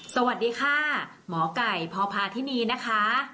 สวัสดีค่ะหมอไก่พพาธินีนะคะ